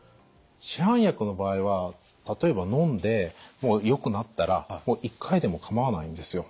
市販薬の場合は例えばのんでよくなったら１回でもかまわないんですよ。